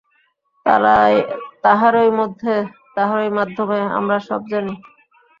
তাঁহারই মধ্যে, তাঁহারই মাধ্যমে আমরা সব জানি।